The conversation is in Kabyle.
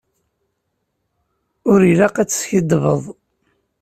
Ur ilaq ad teskiddbeḍ.